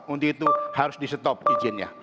untuk itu harus di stop izinnya